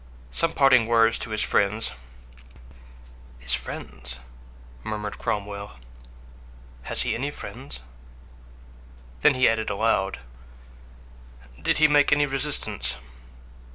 "Some parting words to his friends." "His friends!" murmured Cromwell. "Has he any friends?" Then he added aloud, "Did he make any resistance?"